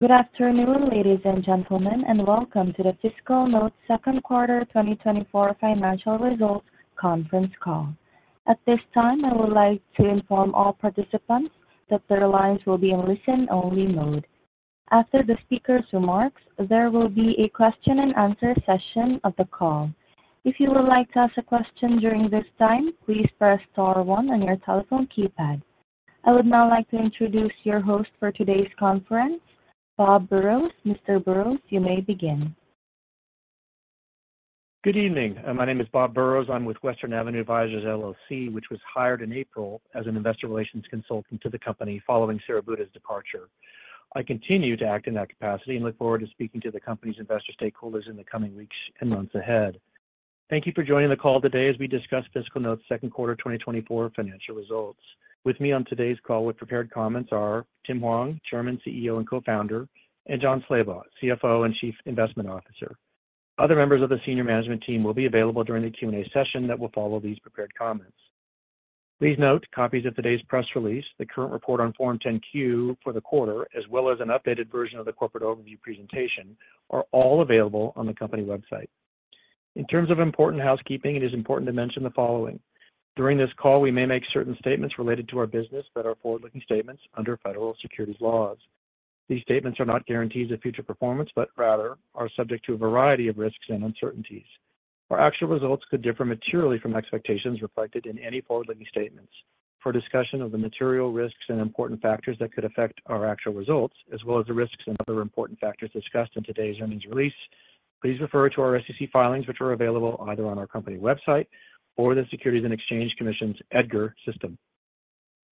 Good afternoon, ladies and gentlemen, and welcome to the FiscalNote Second Quarter 2024 Financial Results conference call. At this time, I would like to inform all participants that their lines will be in listen-only mode. After the speaker's remarks, there will be a question and answer session of the call. If you would like to ask a question during this time, please press star one on your telephone keypad. I would now like to introduce your host for today's conference, Bob Burroughs. Mr. Burroughs, you may begin. Good evening. My name is Bob Burroughs. I'm with Western Avenue Advisors LLC, which was hired in April as an investor relations consultant to the company following Sara Buda's departure. I continue to act in that capacity and look forward to speaking to the company's investor stakeholders in the coming weeks and months ahead. Thank you for joining the call today as we discuss FiscalNote's second quarter 2024 financial results. With me on today's call with prepared comments are Tim Hwang, Chairman, CEO, and Co-founder, and Jon Slabaugh, CFO and Chief Investment Officer. Other members of the senior management team will be available during the Q&A session that will follow these prepared comments. Please note, copies of today's press release, the current report on Form 10-Q for the quarter, as well as an updated version of the corporate overview presentation, are all available on the company website. In terms of important housekeeping, it is important to mention the following: During this call, we may make certain statements related to our business that are forward-looking statements under federal securities laws. These statements are not guarantees of future performance, but rather are subject to a variety of risks and uncertainties. Our actual results could differ materially from expectations reflected in any forward-looking statements. For discussion of the material risks and important factors that could affect our actual results, as well as the risks and other important factors discussed in today's earnings release, please refer to our SEC filings, which are available either on our company website or the Securities and Exchange Commission's EDGAR system.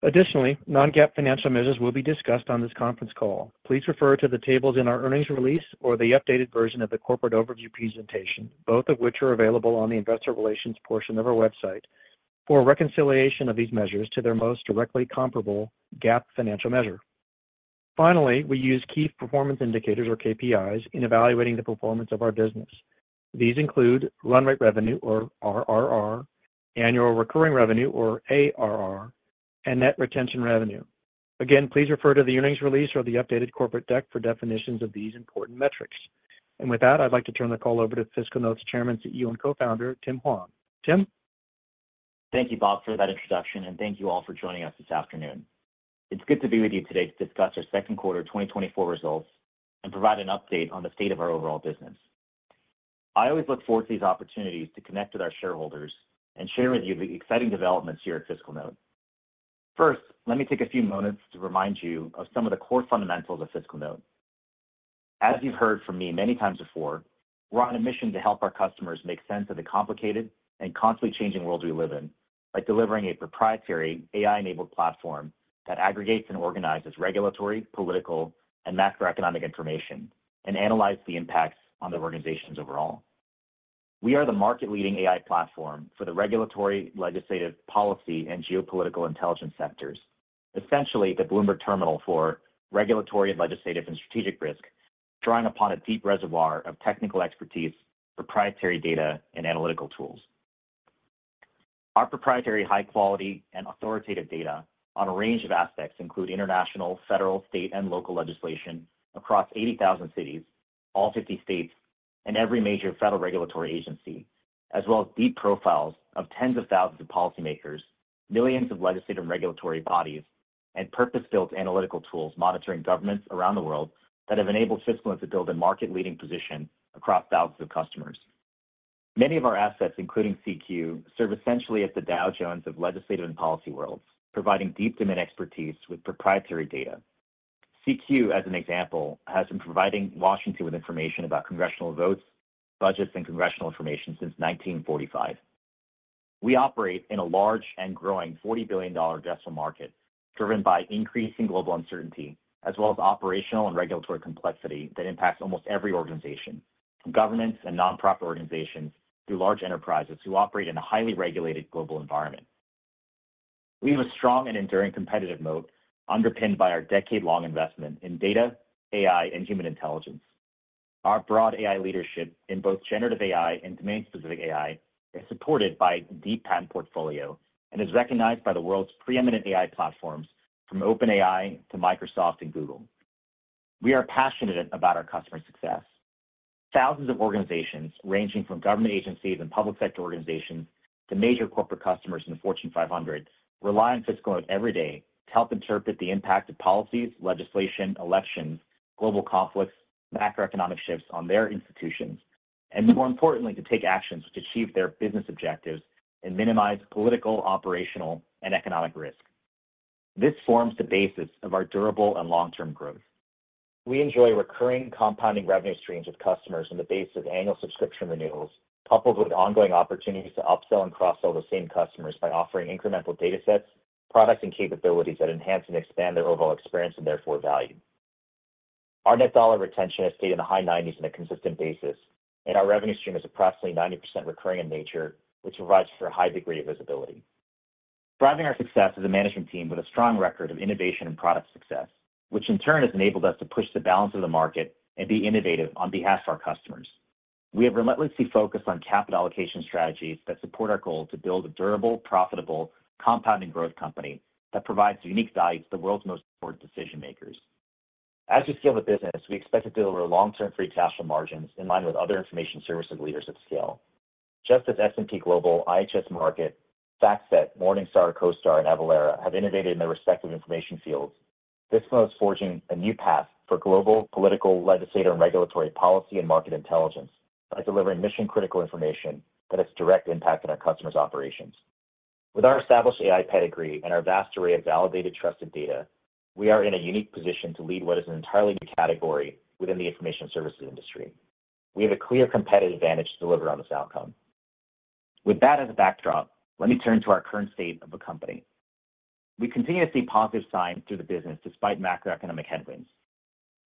Additionally, non-GAAP financial measures will be discussed on this conference call. Please refer to the tables in our earnings release or the updated version of the corporate overview presentation, both of which are available on the investor relations portion of our website, for a reconciliation of these measures to their most directly comparable GAAP financial measure. Finally, we use key performance indicators, or KPIs, in evaluating the performance of our business. These include run rate revenue, or RRR, annual recurring revenue, or ARR, and net retention revenue. Again, please refer to the earnings release or the updated corporate deck for definitions of these important metrics. With that, I'd like to turn the call over to FiscalNote's Chairman, CEO, and Co-founder, Tim Hwang. Tim? Thank you, Bob, for that introduction, and thank you all for joining us this afternoon. It's good to be with you today to discuss our second quarter 2024 results and provide an update on the state of our overall business. I always look forward to these opportunities to connect with our shareholders and share with you the exciting developments here at FiscalNote. First, let me take a few moments to remind you of some of the core fundamentals of FiscalNote. As you've heard from me many times before, we're on a mission to help our customers make sense of the complicated and constantly changing world we live in, by delivering a proprietary AI-enabled platform that aggregates and organizes regulatory, political, and macroeconomic information, and analyze the impacts on their organizations overall. We are the market-leading AI platform for the regulatory, legislative, policy, and geopolitical intelligence sectors. Essentially, the Bloomberg Terminal for regulatory and legislative and strategic risk, drawing upon a deep reservoir of technical expertise, proprietary data, and analytical tools. Our proprietary high quality and authoritative data on a range of aspects include international, federal, state, and local legislation across 80,000 cities, all 50 states, and every major federal regulatory agency, as well as deep profiles of tens of thousands of policymakers, millions of legislative and regulatory bodies, and purpose-built analytical tools monitoring governments around the world that have enabled FiscalNote to build a market-leading position across thousands of customers. Many of our assets, including CQ, serve essentially as the Dow Jones of legislative and policy worlds, providing deep domain expertise with proprietary data. CQ, as an example, has been providing Washington with information about congressional votes, budgets, and congressional information since 1945. We operate in a large and growing $40 billion addressable market, driven by increasing global uncertainty, as well as operational and regulatory complexity that impacts almost every organization, from governments and nonprofit organizations to large enterprises who operate in a highly regulated global environment. We have a strong and enduring competitive moat, underpinned by our decade-long investment in data, AI, and human intelligence. Our broad AI leadership in both generative AI and domain-specific AI is supported by a deep patent portfolio and is recognized by the world's preeminent AI platforms, from OpenAI to Microsoft and Google. We are passionate about our customers' success. Thousands of organizations, ranging from government agencies and public sector organizations to major corporate customers in the Fortune 500, rely on FiscalNote every day to help interpret the impact of policies, legislation, elections, global conflicts, macroeconomic shifts on their institutions, and more importantly, to take actions to achieve their business objectives and minimize political, operational, and economic risk. This forms the basis of our durable and long-term growth. We enjoy recurring compounding revenue streams with customers on the basis of annual subscription renewals, coupled with ongoing opportunities to upsell and cross-sell the same customers by offering incremental datasets, products, and capabilities that enhance and expand their overall experience and therefore value. Our net dollar retention has stayed in the high 90s on a consistent basis, and our revenue stream is approximately 90% recurring in nature, which provides for a high degree of visibility. Driving our success is a management team with a strong record of innovation and product success, which in turn has enabled us to push the balance of the market and be innovative on behalf of our customers. We have relentlessly focused on capital allocation strategies that support our goal to build a durable, profitable, compounding growth company that provides unique value to the world's most important decision makers. As we scale the business, we expect to deliver long-term free cash flow margins in line with other information services leaders at scale. Just as S&P Global, IHS Markit, FactSet, Morningstar, CoStar, and Avalara have innovated in their respective information fields, this one is forging a new path for global, political, legislative, and regulatory policy and market intelligence by delivering mission-critical information that has direct impact on our customers' operations. With our established AI pedigree and our vast array of validated, trusted data, we are in a unique position to lead what is an entirely new category within the information services industry. We have a clear competitive advantage to deliver on this outcome. With that as a backdrop, let me turn to our current state of the company. We continue to see positive signs through the business despite macroeconomic headwinds.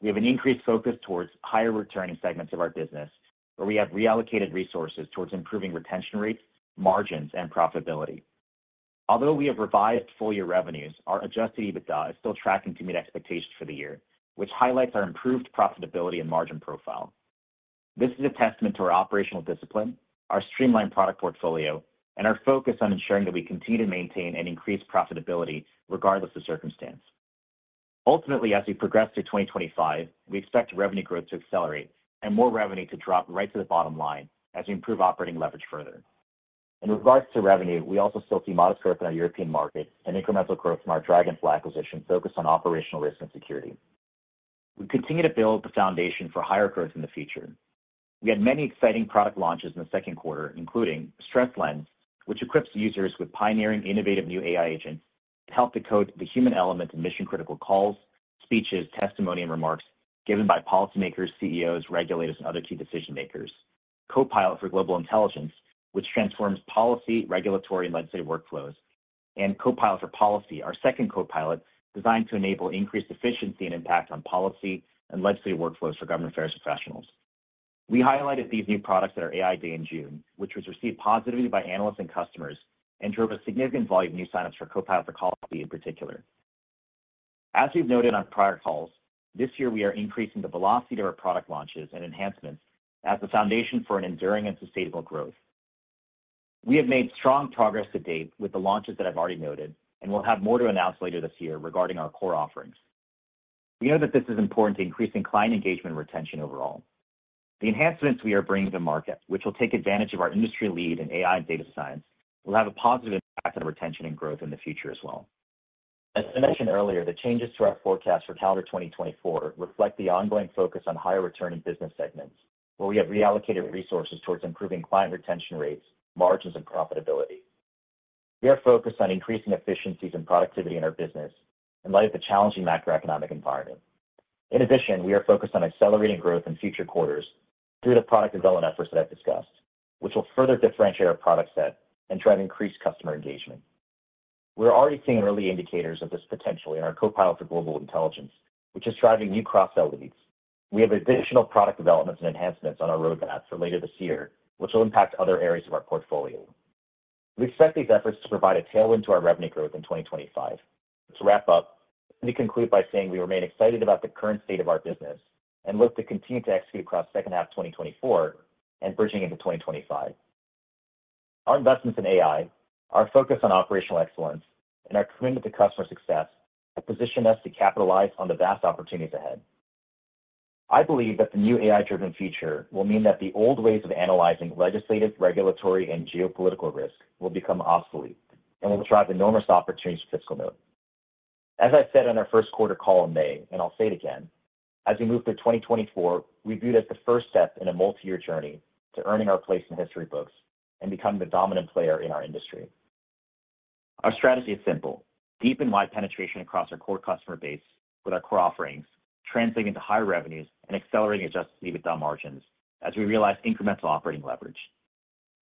We have an increased focus towards higher returning segments of our business, where we have reallocated resources towards improving retention rates, margins, and profitability. Although we have revised full-year revenues, our Adjusted EBITDA is still tracking to meet expectations for the year, which highlights our improved profitability and margin profile. This is a testament to our operational discipline, our streamlined product portfolio, and our focus on ensuring that we continue to maintain and increase profitability regardless of circumstance. Ultimately, as we progress through 2025, we expect revenue growth to accelerate and more revenue to drop right to the bottom line as we improve operating leverage further. In regards to revenue, we also still see modest growth in our European markets and incremental growth from our Dragonfly acquisition focused on operational risk and security. We continue to build the foundation for higher growth in the future. We had many exciting product launches in the second quarter, including StressLens, which equips users with pioneering, innovative new AI agents to help decode the human element in mission-critical calls, speeches, testimony, and remarks given by policymakers, CEOs, regulators, and other key decision makers. Copilot for Global Intelligence, which transforms policy, regulatory, and legislative workflows, and Copilot for Policy, our second Copilot, designed to enable increased efficiency and impact on policy and legislative workflows for government affairs professionals. We highlighted these new products at our AI Day in June, which was received positively by analysts and customers and drove a significant volume of new signups for Copilot for Policy in particular. As we've noted on prior calls, this year we are increasing the velocity of our product launches and enhancements as the foundation for an enduring and sustainable growth. We have made strong progress to date with the launches that I've already noted, and we'll have more to announce later this year regarding our core offerings. We know that this is important to increasing client engagement and retention overall. The enhancements we are bringing to market, which will take advantage of our industry lead in AI and data science, will have a positive impact on retention and growth in the future as well. As I mentioned earlier, the changes to our forecast for calendar 2024 reflect the ongoing focus on higher returning business segments, where we have reallocated resources towards improving client retention rates, margins, and profitability. We are focused on increasing efficiencies and productivity in our business in light of the challenging macroeconomic environment. In addition, we are focused on accelerating growth in future quarters through the product development efforts that I've discussed, which will further differentiate our product set and drive increased customer engagement. We're already seeing early indicators of this potential in our Copilot for Global Intelligence, which is driving new cross-sell leads. We have additional product developments and enhancements on our roadmap for later this year, which will impact other areas of our portfolio. We expect these efforts to provide a tailwind to our revenue growth in 2025. To wrap up, let me conclude by saying we remain excited about the current state of our business and look to continue to execute across second half of 2024 and bridging into 2025. Our investments in AI, our focus on operational excellence, and our commitment to customer success have positioned us to capitalize on the vast opportunities ahead. I believe that the new AI-driven future will mean that the old ways of analyzing legislative, regulatory, and geopolitical risk will become obsolete and will drive enormous opportunities for FiscalNote. As I said on our first quarter call in May, and I'll say it again, as we move through 2024, we view it as the first step in a multi-year journey to earning our place in the history books and becoming the dominant player in our industry. Our strategy is simple: deep and wide penetration across our core customer base with our core offerings, translating into higher revenues and accelerating adjusted EBITDA margins as we realize incremental operating leverage.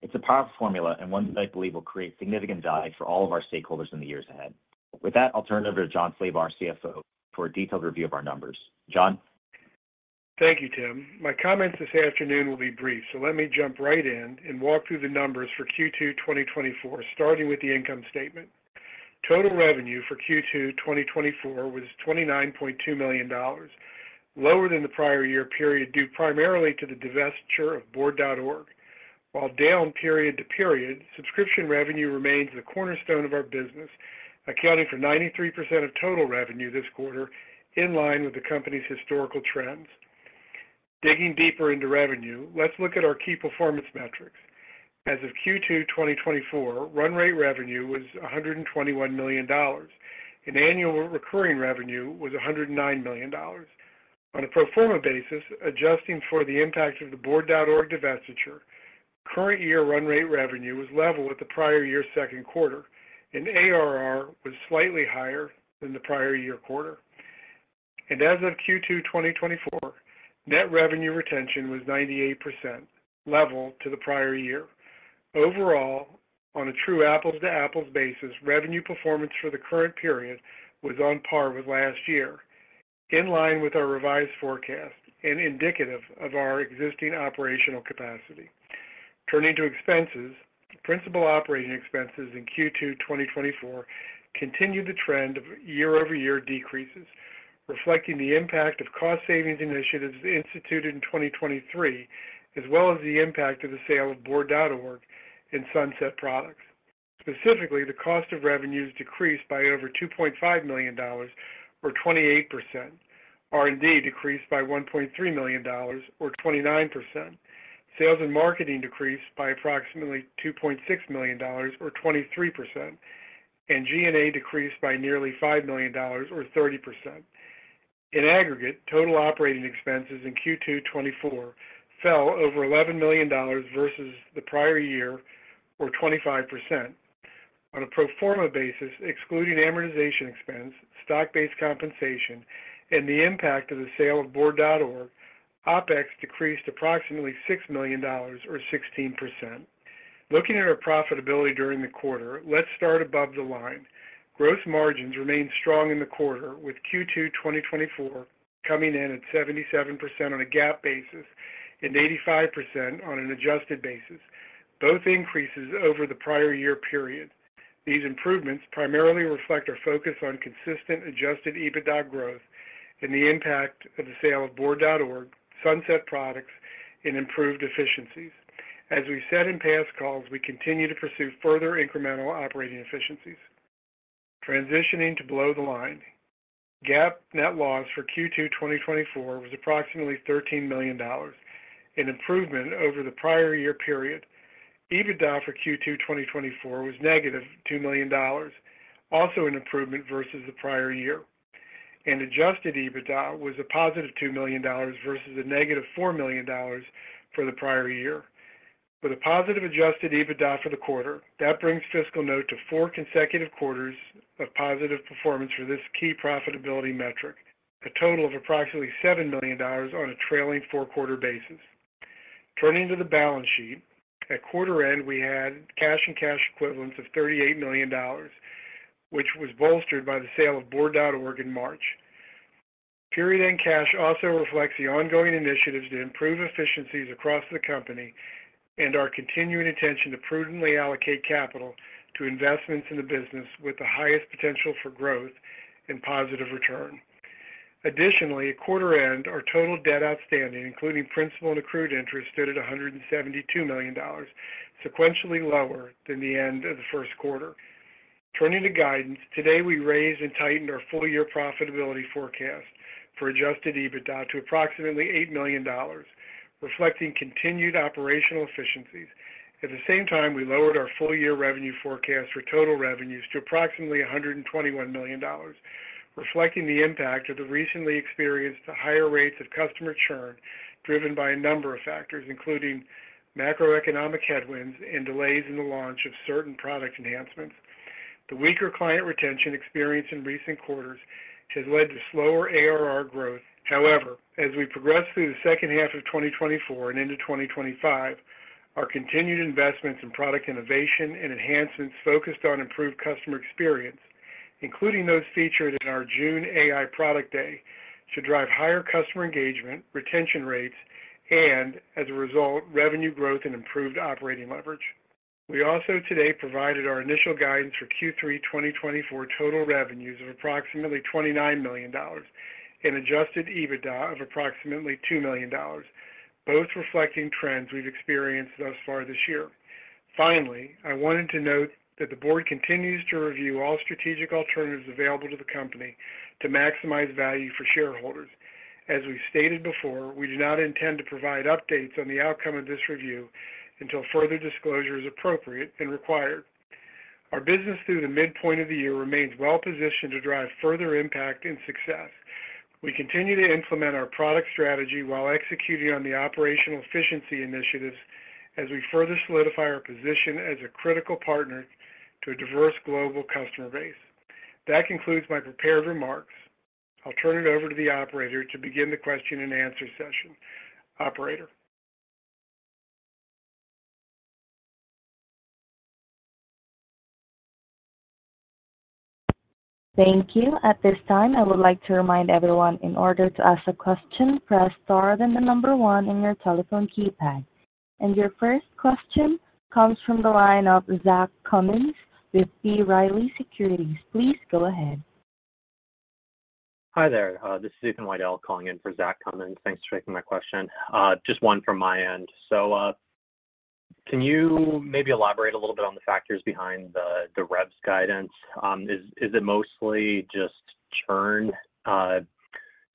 It's a powerful formula and one that I believe will create significant value for all of our stakeholders in the years ahead. With that, I'll turn it over to John Slabaugh, our CFO, for a detailed review of our numbers. John? Thank you, Tim. My comments this afternoon will be brief, so let me jump right in and walk through the numbers for Q2 2024, starting with the income statement. Total revenue for Q2 2024 was $29.2 million, lower than the prior year period, due primarily to the divestiture of Board.org. While down period to period, subscription revenue remains the cornerstone of our business, accounting for 93% of total revenue this quarter, in line with the company's historical trends. Digging deeper into revenue, let's look at our key performance metrics. As of Q2 2024, run rate revenue was $121 million, and annual recurring revenue was $109 million. On a pro forma basis, adjusting for the impact of the Board.org divestiture, current year run rate revenue was level with the prior year's second quarter, and ARR was slightly higher than the prior year quarter. As of Q2 2024, net revenue retention was 98%, level to the prior year. Overall, on a true apples-to-apples basis, revenue performance for the current period was on par with last year, in line with our revised forecast and indicative of our existing operational capacity.... Turning to expenses. Principal operating expenses in Q2 2024 continued the trend of year-over-year decreases, reflecting the impact of cost savings initiatives instituted in 2023, as well as the impact of the sale of Board.org and sunset products. Specifically, the cost of revenues decreased by over $2.5 million, or 28%. R&D decreased by $1.3 million, or 29%. Sales and marketing decreased by approximately $2.6 million, or 23%, and G&A decreased by nearly $5 million, or 30%. In aggregate, total operating expenses in Q2 2024 fell over $11 million versus the prior year, or 25%. On a pro forma basis, excluding amortization expense, stock-based compensation, and the impact of the sale of Board.org, OpEx decreased approximately $6 million or 16%. Looking at our profitability during the quarter, let's start above the line. Gross margins remained strong in the quarter, with Q2 2024 coming in at 77% on a GAAP basis and 85% on an adjusted basis, both increases over the prior year period. These improvements primarily reflect our focus on consistent Adjusted EBITDA growth and the impact of the sale of Board.org, sunset products, and improved efficiencies. As we said in past calls, we continue to pursue further incremental operating efficiencies. Transitioning to below the line. GAAP net loss for Q2 2024 was approximately -$13 million, an improvement over the prior year period. EBITDA for Q2 2024 was -$2 million, also an improvement versus the prior year, and adjusted EBITDA was +$2 million versus -$4 million for the prior year. With a positive adjusted EBITDA for the quarter, that brings FiscalNote to four consecutive quarters of positive performance for this key profitability metric, a total of approximately $7 million on a trailing four-quarter basis. Turning to the balance sheet, at quarter end, we had cash and cash equivalents of $38 million, which was bolstered by the sale of Board.org in March. Period-end cash also reflects the ongoing initiatives to improve efficiencies across the company and our continuing attention to prudently allocate capital to investments in the business with the highest potential for growth and positive return. Additionally, at quarter end, our total debt outstanding, including principal and accrued interest, stood at $172 million, sequentially lower than the end of the first quarter. Turning to guidance, today, we raised and tightened our full-year profitability forecast for adjusted EBITDA to approximately $8 million, reflecting continued operational efficiencies. At the same time, we lowered our full-year revenue forecast for total revenues to approximately $121 million, reflecting the impact of the recently experienced higher rates of customer churn, driven by a number of factors, including macroeconomic headwinds and delays in the launch of certain product enhancements. The weaker client retention experience in recent quarters has led to slower ARR growth. However, as we progress through the second half of 2024 and into 2025, our continued investments in product innovation and enhancements focused on improved customer experience, including those featured in our June AI Product Day, should drive higher customer engagement, retention rates, and as a result, revenue growth and improved operating leverage. We also today provided our initial guidance for Q3 2024 total revenues of approximately $29 million and Adjusted EBITDA of approximately $2 million, both reflecting trends we've experienced thus far this year. Finally, I wanted to note that the board continues to review all strategic alternatives available to the company to maximize value for shareholders. As we've stated before, we do not intend to provide updates on the outcome of this review until further disclosure is appropriate and required. Our business through the midpoint of the year remains well positioned to drive further impact and success. We continue to implement our product strategy while executing on the operational efficiency initiatives as we further solidify our position as a critical partner to a diverse global customer base. That concludes my prepared remarks. I'll turn it over to the operator to begin the question and answer session. Operator? Thank you. At this time, I would like to remind everyone in order to ask a question, press star, then 1 in your telephone keypad. Your first question comes from the line of Zach Cummins with B. Riley Securities. Please go ahead. Hi there. This is Ethan Waddell calling in for Zach Cummins. Thanks for taking my question. Just one from my end. So, can you maybe elaborate a little bit on the factors behind the revs guidance? Is it mostly just churn, you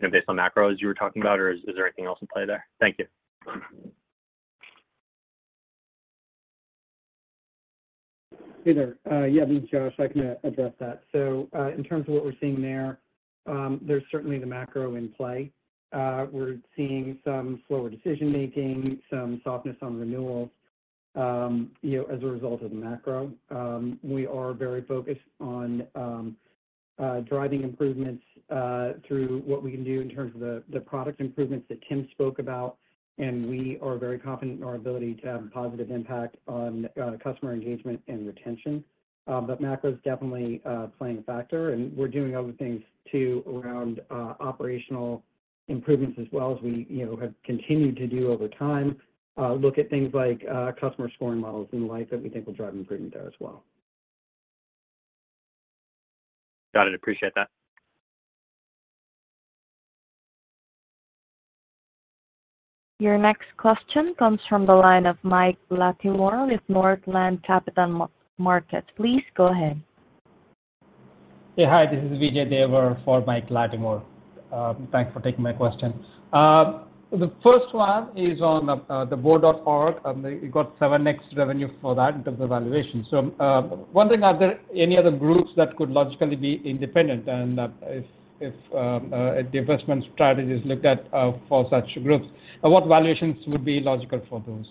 know, based on macro, as you were talking about, or is there anything else in play there? Thank you. Hey there. Yeah, me, Josh, I can address that. So, in terms of what we're seeing there, there's certainly the macro in play. We're seeing some slower decision-making, some softness on renewals, you know, as a result of the macro. We are very focused on driving improvements through what we can do in terms of the product improvements that Tim spoke about, and we are very confident in our ability to have a positive impact on customer engagement and retention. But macro is definitely playing a factor, and we're doing other things too, around operational improvements as well as we, you know, have continued to do over time. Look at things like customer scoring models and the like that we think will drive improvement there as well.... Got it. Appreciate that. Your next question comes from the line of Mike Latimore with Northland Capital Markets. Please go ahead. Hey, hi, this is Vijay Devar for Mike Latimore. Thanks for taking my question. The first one is on the Board.org, and you got 7x revenue for that in terms of valuation. So, wondering, are there any other groups that could logically be independent, and if a divestment strategy is looked at for such groups? And what valuations would be logical for those?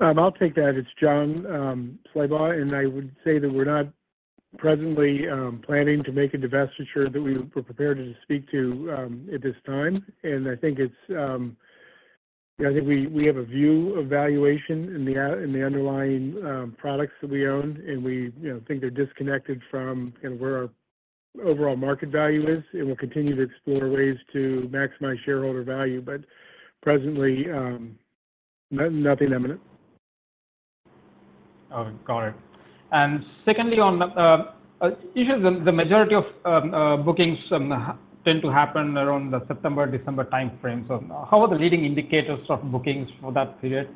I'll take that. It's Jon Slabaugh, and I would say that we're not presently planning to make a divestiture that we're prepared to speak to at this time. I think it's yeah, I think we have a view of valuation in the underlying products that we own, and we you know think they're disconnected from kind of where our overall market value is. We'll continue to explore ways to maximize shareholder value, but presently nothing imminent. Oh, got it. And secondly, usually the majority of bookings tend to happen around the September, December timeframe. So how are the leading indicators of bookings for that period?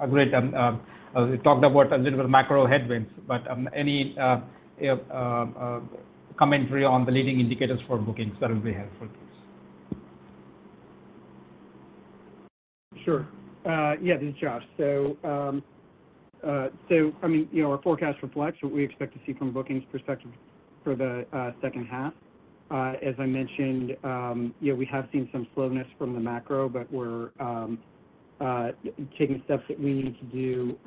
Agreed, we talked about a little bit of macro headwinds, but any commentary on the leading indicators for bookings that will be helpful, please. Sure. Yeah, this is Josh. So, I mean, you know, our forecast reflects what we expect to see from a bookings perspective for the second half. As I mentioned, you know, we have seen some slowness from the macro, but we're taking steps that we need to do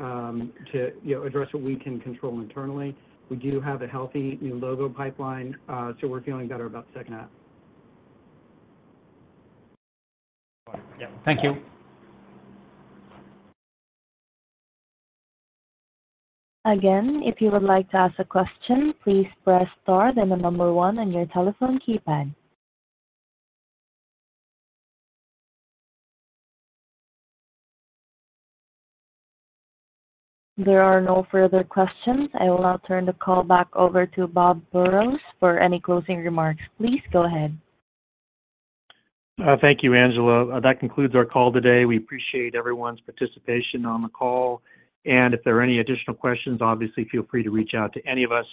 to, you know, address what we can control internally. We do have a healthy new logo pipeline, so we're feeling better about second half. Yeah. Thank you. Again, if you would like to ask a question, please press Star, then the number one on your telephone keypad. There are no further questions. I will now turn the call back over to Bob Burroughs for any closing remarks. Please go ahead. Thank you, Angela. That concludes our call today. We appreciate everyone's participation on the call, and if there are any additional questions, obviously feel free to reach out to any of us.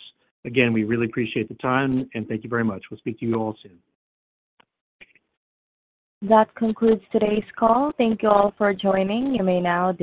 Again, we really appreciate the time, and thank you very much. We'll speak to you all soon. That concludes today's call. Thank you all for joining. You may now disconnect.